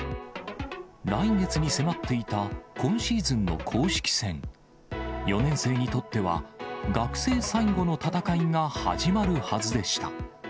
来月に迫っていた今シーズンの公式戦、４年生にとっては、学生最後の戦いが始まるはずでした。